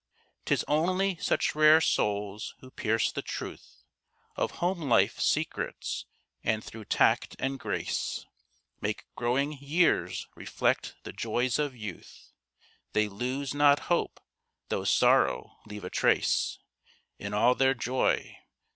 'Tis only such rare souls who pierce the truth Of home life secrets, and through tact and grace, Make growing years reflect the joys of youth. They lose not hope, though sorrow leave a trace In all their joy.